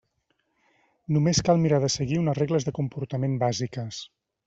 Només cal mirar de seguir unes regles de comportament bàsiques.